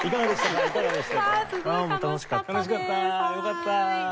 よかった。